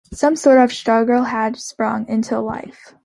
Some sort of struggle had sprung into life.